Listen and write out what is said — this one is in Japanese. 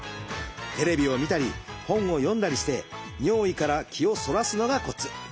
テレビを見たり本を読んだりして尿意から気をそらすのがコツ。